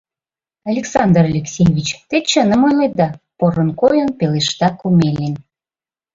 — Александр Алексеевич, те чыным ойледа, — порын койын пелешта Комелин.